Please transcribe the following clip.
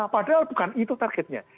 padahal bukan itu targetnya